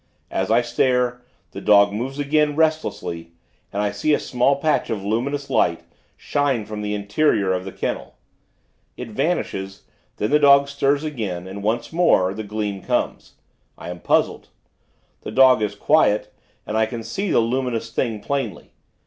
As I stare, the dog moves again, restlessly, and I see a small patch of luminous light, shine from the interior of the kennel. It vanishes; then the dog stirs again, and, once more, the gleam comes. I am puzzled. The dog is quiet, and I can see the luminous thing, plainly.